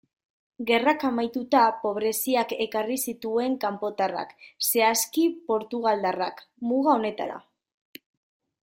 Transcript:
Gerrak amaituta, pobreziak ekarri zituen kanpotarrak, zehazki portugaldarrak, muga honetara.